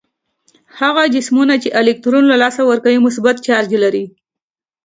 هغه جسمونه چې الکترون له لاسه ورکوي مثبت چارجیږي.